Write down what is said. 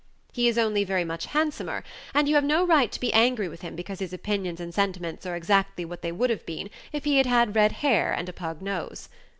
He is only very much handsomer; and you have no right to be angry with him because his opinions and sentiments are exactly what they would have been if he had had red hair and a pug nose.